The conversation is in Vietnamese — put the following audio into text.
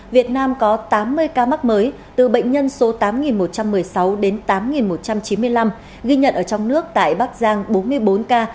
việt nam có tám mươi ca mắc mới từ bệnh nhân số tám một trăm một mươi sáu đến tám một trăm chín mươi năm ghi nhận ở trong nước tại bắc giang bốn mươi bốn ca